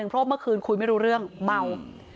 เพราะว่าเมื่อคืนคุยไม่รู้เรื่องเมา